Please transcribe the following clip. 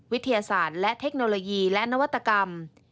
วิทยาศาสตร์และเทคโนโลยีและนวัตกรรม